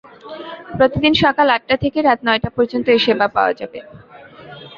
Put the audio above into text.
প্রতিদিন সকাল আটটা থেকে রাত নয়টা পর্যন্ত এ সেবা পাওয়া যাবে।